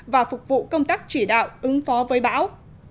và phục vụ công tác chỉ đạo ứng phó với bão